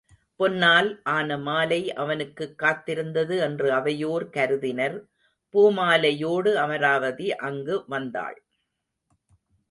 பொன்னால் ஆனமாலை அவனுக்குக் காத்திருந்தது என்று அவையோர் கருதினர் பூமாலையோடு அமராவதி அங்கு வந்தாள்.